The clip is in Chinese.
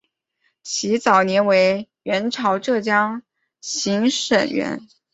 其早年为元朝浙江行省掾。